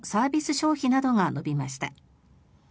消費などが伸びました。